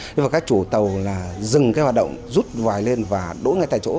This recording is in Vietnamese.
nhưng mà các chủ tàu là dừng cái hoạt động rút vài lên và đỗ ngay tại chỗ